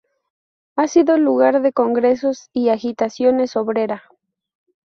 Ha sido lugar de congresos y agitación obrera.